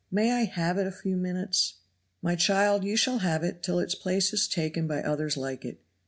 May I have it a few minutes?" "My child, you shall have it till its place is taken by others like it.